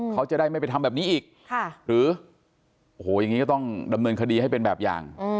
เขาจะได้ไม่ไปทำแบบนี้อีกหรือโอ้โหอย่างนี้ก็ต้องดำเนินคดีให้เป็นแบบอย่าง